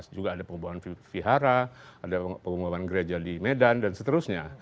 juga ada pengembangan vihara ada pengembangan gereja di medan dan seterusnya